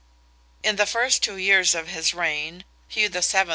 In the first two years of his reign, Hugh VII.